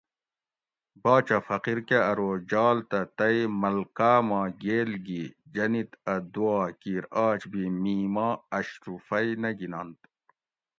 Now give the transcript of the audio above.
باچہ فقیر کہ آرو جال تہ تئ ملکا ما گیل گِی جنیت اٞ دعا کیر آج بھی می ما اشرُفی نہ گیننت